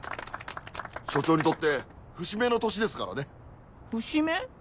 署長にとって節目の年ですからね。節目？